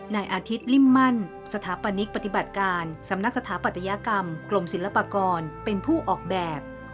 นายอาทิตย์ริ่มมั่นสถาปนิกปฏิบัติการสำนักสถาปัตยกรรมกรมศิลปากรเป็นผู้ออกแบบ